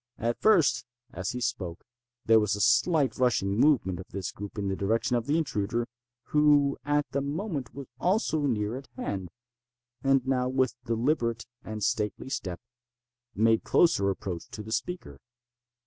At first, as he spoke, there was a slight rushing movement of this group in the direction of the intruder, who at the moment was also near at hand, and now, with deliberate and stately step, made closer approach to the speaker.